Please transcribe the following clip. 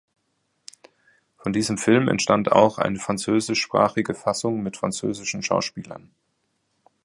Von diesem Film entstand auch eine französischsprachige Fassung mit französischen Schauspielern.